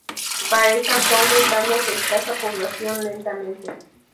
Baeza fue aumentando su escasa población lentamente.